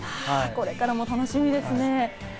これからも楽しみですね。